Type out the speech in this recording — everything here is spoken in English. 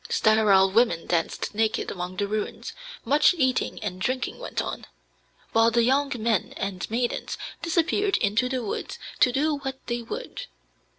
Sterile women danced naked among the ruins; much eating and drinking went on, while the young men and maidens disappeared into the woods to do what they would.